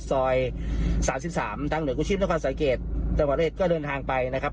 ซอย๓๓ทางหน่วยกู้ชีพนครสังเกตจังหวัดก็เดินทางไปนะครับ